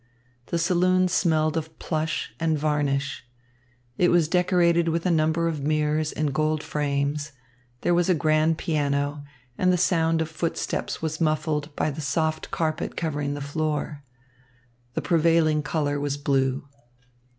The saloon smelled of plush and varnish. It was decorated with a number of mirrors in gold frames, there was a grand piano, and the sound of footsteps was muffled by the soft carpet covering the floor. The prevailing colour was blue.